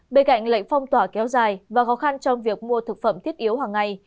bên cạnh lệnh phong tỏa kéo dài và khó khăn trong việc mua thực phẩm thiết yếu hàng ngày